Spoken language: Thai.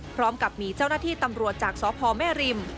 พร้อมกับมีเจ้าหน้าที่ตำรวจจากสพแม่ริม